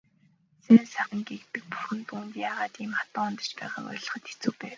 Сайн сайхан гэгддэг бурхан түүнд яагаад ийм хатуу хандаж байгааг ойлгоход хэцүү байв.